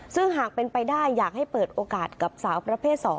ซึ่งหากเป็นไปได้อยากให้เปิดโอกาสกับสาวประเภท๒